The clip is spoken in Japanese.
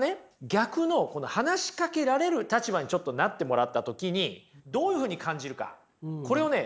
逆の話しかけられる立場にちょっとなってもらった時にどういうふうに感じるかこれをね